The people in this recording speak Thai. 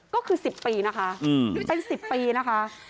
ก็คือ๑๐ปีนะคะเป็น๑๐ปีนะคะ